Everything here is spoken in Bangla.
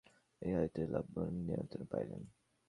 শরতের অবসানে নবেন্দু সেখান হইতে লাবণ্যর নিমন্ত্রণ পাইলেন।